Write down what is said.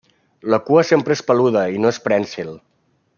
La cua sempre és peluda i no és prènsil.